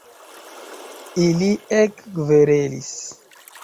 Ili ekkverelis.